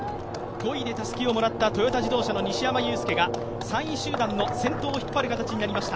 ５位でたすきをもらったトヨタ自動車の西山雄介が３位集団の先頭を引っ張る形になりました。